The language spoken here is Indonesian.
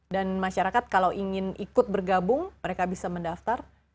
dan masyarakat kalau ingin ikut bergabung mereka bisa mendaftar